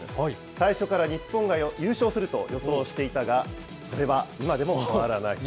最初から日本が優勝すると予想していたが、それは今でも変わらない。